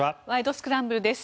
スクランブル」です。